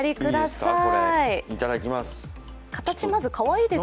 いただきます。